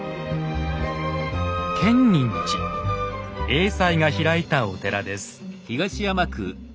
栄西が開いたお寺です。